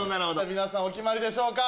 皆さんお決まりでしょうか？